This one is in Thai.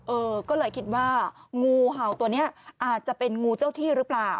เออก็เลยคิดว่างูเห่าตัวนี้อาจจะเป็นงูเจ้าที่หรือเปล่า